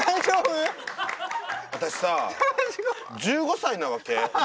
私さ１５歳なわけ。